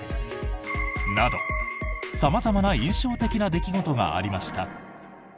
など、様々な印象的な出来事がありました。